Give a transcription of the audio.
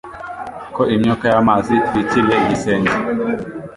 ko imyuka y'amazi itwikiriye igisenge